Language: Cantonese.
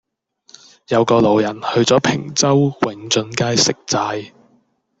有個老人去左坪洲永俊街食齋